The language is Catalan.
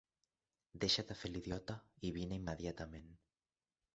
Deixa de fer l'idiota i vine immediatament.